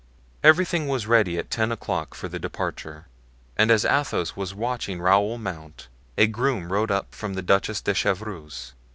Everything was ready at ten o'clock for the departure, and as Athos was watching Raoul mount, a groom rode up from the Duchess de Chevreuse.